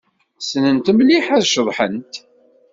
Ssnent mliḥ ad ceḍḥent.